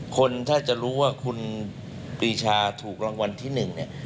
คนถ้าจะรู้ว่าคุณปีชาถูกรางวัลที่๑เนี่ย